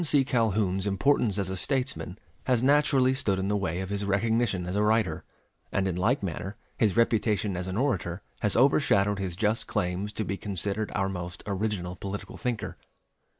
Calhoun's importance as a statesman has naturally stood in the way of his recognition as a writer, and in like manner his reputation as an orator has overshadowed his just claims to be considered our most original political thinker.